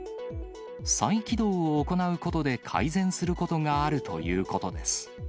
再起動を行うことで改善することがあるということです。